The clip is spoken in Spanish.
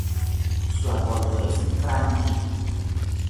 Su apodo es "Franky".